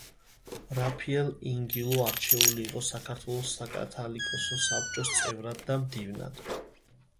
რაფიელ ინგილო არჩეული იყო საქართველოს საკათალიკოსო საბჭოს წევრად და მდივნად.